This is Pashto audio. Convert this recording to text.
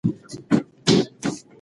ګټه مې په نوو توکو کې ولګوله.